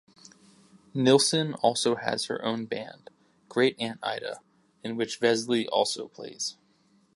Nilsen also has her own band, Great Aunt Ida, in which Vesely also plays.